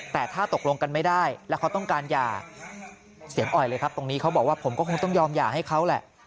แต่ถ้าตกลงกันไม่ได้แล้วเขาต้องการหย่าเสียงอ่อยเลยครับตรงนี้เขาบอกว่าผมก็คงต้องยอมหย่าให้เขาแหละ